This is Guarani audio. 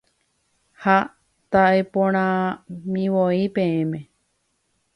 Ha ta'eporãmivoi peẽme.